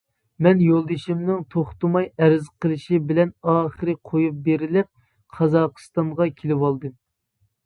مەن يولدىشىمنىڭ توختىماي ئەرز قىلىشى بىلەن ئاخىرى قويۇپ بېرىلىپ، قازاقىستانغا كېلىۋالدىم.